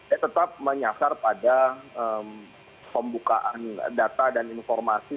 ya tetap menyasar pada pembukaan data dan informasi